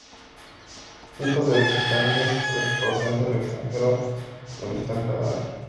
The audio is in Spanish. Cientos de visitantes procedentes del extranjero lo visitan cada año.